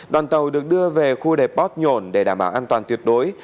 đoàn tàu được đưa về khu đề post nhổn để đảm bảo an toàn tuyệt đối